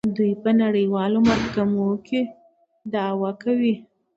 دوی په نړیوالو محکمو کې دعوا کوي.